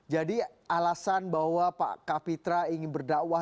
jadi alasan bahwa pak kapitra ingin berdakwah